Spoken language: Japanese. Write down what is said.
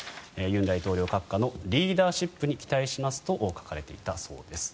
尹大統領閣下のリーダーシップに期待しますと書かれていたそうです。